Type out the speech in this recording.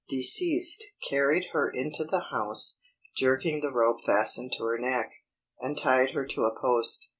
Deceased carried her into the house, jerking the rope fastened to her neck, and tied her to a post.